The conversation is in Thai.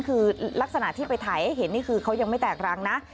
คือลักษณะที่ไปถ่ายให้เห็นนี่คือเขายังไม่แตกรังนะ